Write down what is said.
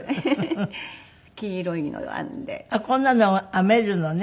こんなの編めるのね。